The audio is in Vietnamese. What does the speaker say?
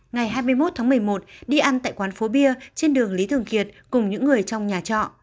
ngày hai mươi một tháng một mươi một đi ăn tại quán phố bia trên đường lý thường kiệt cùng những người trong nhà trọ